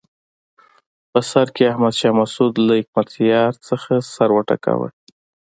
په سر کې احمد شاه مسعود له حکمتیار څخه سر وټکاوه.